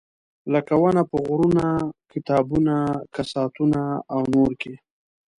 لکه ونه په غرونه، کتابونه، کساتونه او نور کې.